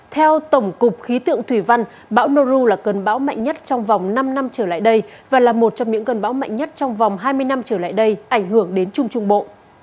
theo tổng cục khí tượng thủy văn bão noru là cơn bão mạnh nhất trong vòng năm năm trở lại đây và là một trong những cơn bão mạnh nhất trong vòng hai mươi năm trở lại đây ảnh hưởng đến trung trung bộ